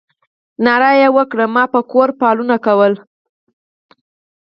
ناره یې وکړه ما به په کور فالونه کول.